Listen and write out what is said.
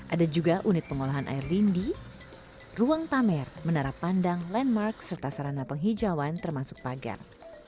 ada juga unit pengolahan air lindi ruang pamer menara pandang landmark serta sarana penghijauan termasuk pagar